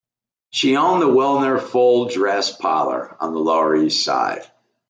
She owned the "Wilner Full Dress Parlor" on the Lower East Side.